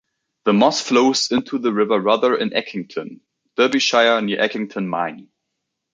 The Moss flows into the River Rother in Eckington, Derbyshire, near Eckington Mine.